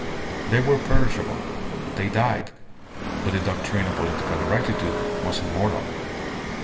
They were perishable. They died. But the doctrine of political rectitude was immortal.